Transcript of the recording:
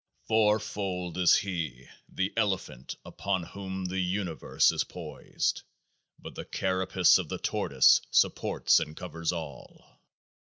Fourfold is He, the Elephant upon whom the Universe is poised : but the carapace of the Tortoise supports and covers all.